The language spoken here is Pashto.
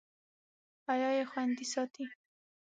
حیا یې خوندي ساتي.